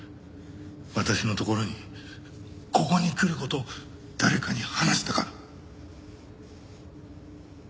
私のところにここに来る事誰かに話したか？